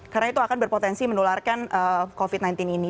karena itu akan berpotensi menularkan covid sembilan belas ini